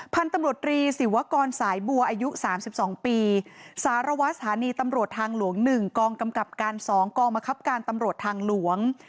พันธุ์ตำรวจรีศิวกรสายบัวอายุ๓๒ปีสารวัตรสถานีตำรวจทางหลวง๑กองกำกับการ๒กองบังคับการตำรวจทางหลวง